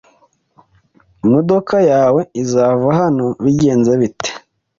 Imodoka yawe izava hano bigenze bite